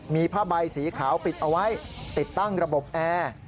มีผ้าใบสีขาวปิดเอาไว้ติดตั้งระบบแอร์